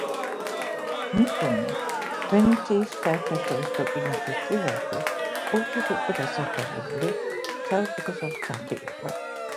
მიფუნე ვენეციის საერთაშორისო კინოფესტივალზე ორჯერ იყო დასახელებული საუკეთესო მსახიობად.